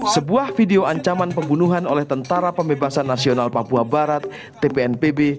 sebuah video ancaman pembunuhan oleh tentara pembebasan nasional papua barat tpnpb